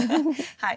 はい。